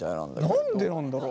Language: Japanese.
何でなんだろ？